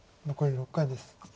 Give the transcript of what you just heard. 残り６回です。